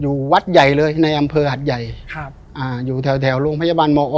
วัดใหญ่เลยในอำเภอหัดใหญ่ครับอ่าอยู่แถวแถวโรงพยาบาลมอ